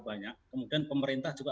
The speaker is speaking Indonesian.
banyak kemudian pemerintah juga